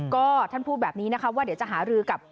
ก็ท่านพูดแบบนี้นะคะว่าเดี๋ยวจะหารือกับ